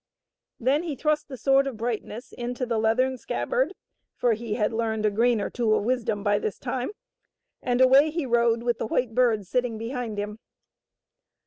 Then he thrust the Sword of Brightness into the leathern scabbard, for he had learned a grain or two of wisdom by this time, and away he rode with the White Bird sitting behind him.